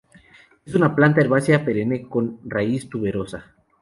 Es una planta herbácea perenne con raíz tuberosa.